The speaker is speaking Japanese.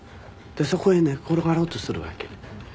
そこへ寝っ転がろうとするわけ。